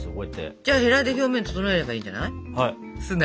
じゃあヘラで表面整えればいいんじゃない？